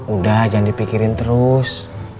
udah jangan dipikirin terus